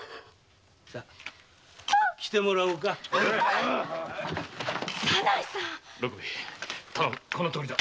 さ来てもらおうかこのとおりだ。